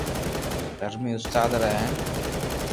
درھمي استاد را ھين